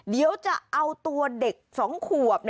เดี๋ยวจะเอาตัวเด็ก๒ขวบ